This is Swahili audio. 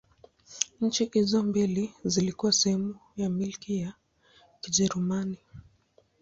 Nchi hizo mbili zilikuwa sehemu ya Milki ya Kijerumani.